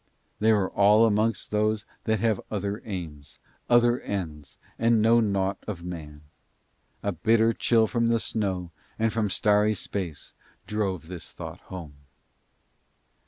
They were all amongst those that have other aims, other ends, and know naught of man. A bitter chill from the snow and from starry space drove this thought home.